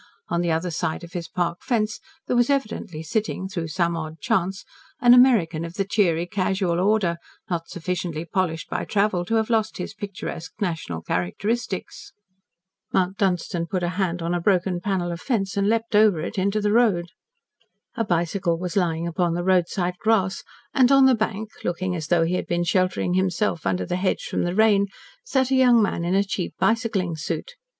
On the other side of his park fence there was evidently sitting, through some odd chance, an American of the cheery, casual order, not sufficiently polished by travel to have lost his picturesque national characteristics. Mount Dunstan put a hand on a broken panel of fence and leaped over into the road. A bicycle was lying upon the roadside grass, and on the bank, looking as though he had been sheltering himself under the hedge from the rain, sat a young man in a cheap bicycling suit.